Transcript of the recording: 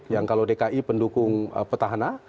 yang kalau dki pendukung peta hana